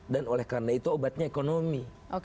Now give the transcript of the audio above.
dan oleh karena itu obatnya ekonomi